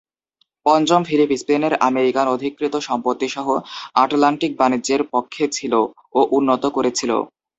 পঞ্চম ফিলিপ স্পেনের আমেরিকান অধিকৃত সম্পত্তি সহ আটলান্টিক বাণিজ্যের পক্ষে ছিল ও উন্নত করেছিল।